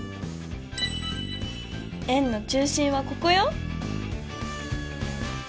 円の中心はここよ！